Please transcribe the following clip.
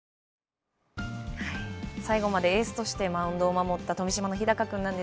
最後までエースとしてマウンドを守った日高君。